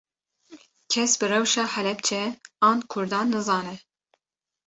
Kes bi rewşa Helepçe an Kurdan nizane